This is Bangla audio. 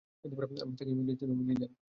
তাকে ইমার্জেন্সি রুমে নিয়ে যান।